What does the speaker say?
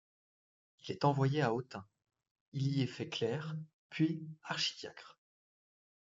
Il est envoyé à Autun, y est fait clerc puis archidiacre.